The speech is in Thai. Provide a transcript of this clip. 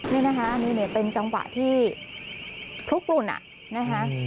นี่นะคะนี่เป็นจังหวะที่คลุกกลุ่นนะคะ